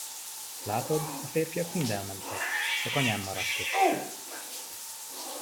Látod, a férfiak mind elmentek, csak anyám maradt itt.